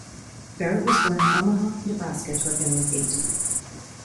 Barrett was born in Omaha, Nebraska, to a family of eight.